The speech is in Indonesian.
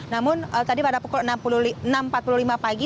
namun tadi pada pukul enam empat puluh lima pagi